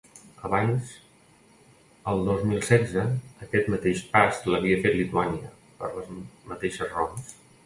Abans, el dos mil setze, aquest mateix pas l’havia fet Lituània, per les mateixes raons.